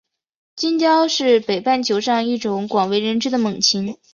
金雕是北半球上一种广为人知的猛禽。